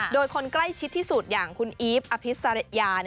โดยคนใกล้ชิดที่สุดอย่างคุณอีฟอภิษริยา